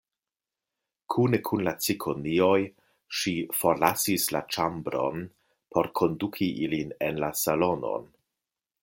Kune kun la cikonioj ŝi forlasis la ĉambron, por konduki ilin en la salonon.